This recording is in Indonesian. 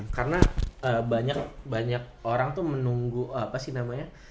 karena banyak orang tuh menunggu apa sih namanya